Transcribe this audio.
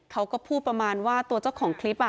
เขาก็พูดประมาณว่าตัวเจ้าของคลิป